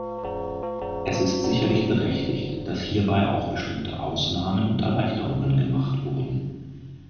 Es ist sicherlich berechtigt, dass hierbei auch bestimmte Ausnahmen und Erleichterungen gemacht wurden.